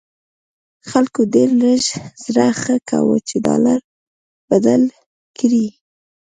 خلکو ډېر لږ زړه ښه کاوه چې ډالر بدل کړي.